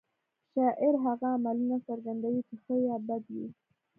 شاعر هغه عملونه څرګندوي چې ښه یا بد وي